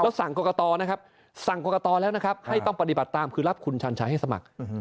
สั่งกรกตนะครับสั่งกรกตแล้วนะครับให้ต้องปฏิบัติตามคือรับคุณชันชัยให้สมัคร